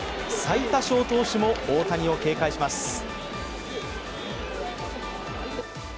最多勝投手も大谷を警戒します。